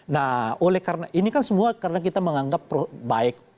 nah ini kan semua karena kita menganggap baik